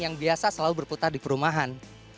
yang biasa selalu berputar di perumahan